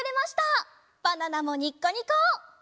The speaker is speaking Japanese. バナナもニッコニコ！